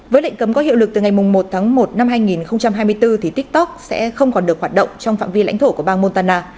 với lệnh cấm có hiệu lực từ ngày một tháng một năm hai nghìn hai mươi bốn thì tiktok sẽ không còn được hoạt động trong phạm vi lãnh thổ của bang montana